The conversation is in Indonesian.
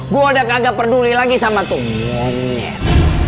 gue udah kagak peduli lagi sama tuh monyet